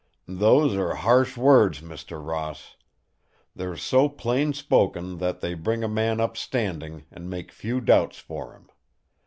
"Those are harsh words, Mr. Ross. They're so plain spoken that they bring a man up standing, and make new doubts for him.